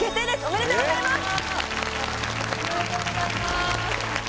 ありがとうございます